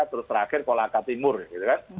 terus terakhir kolaka timur gitu kan